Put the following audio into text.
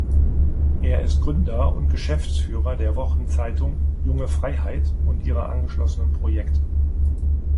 Er ist Gründer und Geschäftsführer der Wochenzeitung "Junge Freiheit" und ihrer angeschlossenen Projekte.